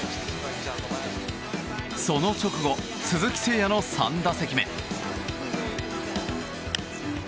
その直後、鈴木誠也の３打席目。